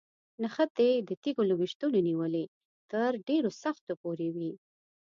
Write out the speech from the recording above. نښتې د تیږو له ویشتلو نیولې تر ډېرو سختو پورې وي.